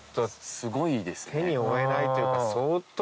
すごいですね。